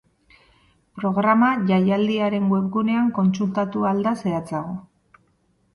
Programa jaialdiaren webgunean kontsultatu ahal da zehatzago.